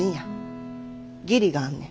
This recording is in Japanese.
義理があんねん。